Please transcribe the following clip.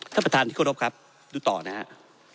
ท่านประธานที่เคารพครับดูต่อนะครับ